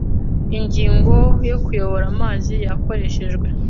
Ingingo ya Kuyobora amazi yakoreshejwe